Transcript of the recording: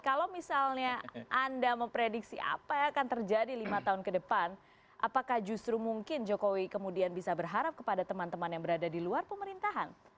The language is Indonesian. kalau misalnya anda memprediksi apa yang akan terjadi lima tahun ke depan apakah justru mungkin jokowi kemudian bisa berharap kepada teman teman yang berada di luar pemerintahan